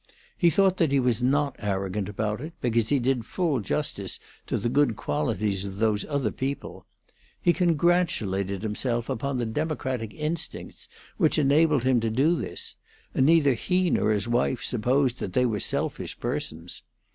He thought that he was not arrogant about it, because he did full justice to the good qualities of those other people; he congratulated himself upon the democratic instincts which enabled him to do this; and neither he nor his wife supposed that they were selfish persons.